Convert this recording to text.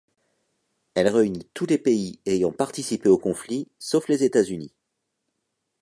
Elle réunit tous les pays ayant participé au conflit sauf les États-Unis.